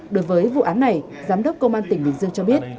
đối với vụ án này giám đốc công an tỉnh bình dương cho biết